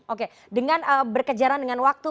oke dengan berkejaran dengan waktu